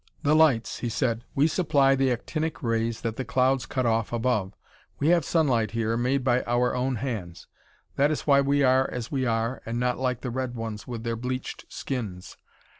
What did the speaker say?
"The lights," he said: "we supply the actinic rays that the clouds cut off above. We have sunlight here, made by our own hands; that is why we are as we are and not like the red ones with their bleached skins.